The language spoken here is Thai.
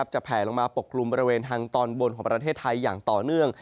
แผลลงมาปกกลุ่มบริเวณทางตอนบนของประเทศไทยอย่างต่อเนื่อง